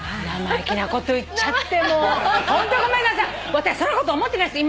私そんなこと思ってないです